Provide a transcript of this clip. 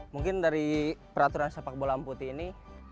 mungkin dari peraturan sepak bola amputi ini